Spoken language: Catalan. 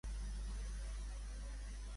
Amb qui havia actuat d'aquesta manera Pablo?